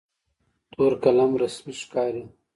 تور قلم رسمي ښکاري.